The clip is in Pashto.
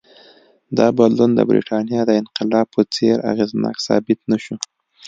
دا بدلون د برېټانیا د انقلاب په څېر اغېزناک ثابت نه شو.